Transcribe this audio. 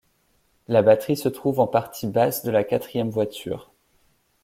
La batterie se trouve en partie basse de la quatrième voiture.